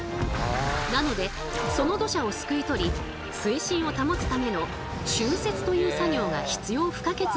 なのでその土砂をすくい取り水深を保つための浚渫という作業が必要不可欠なのですが。